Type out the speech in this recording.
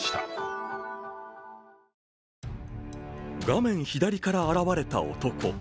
画面左から現れた男。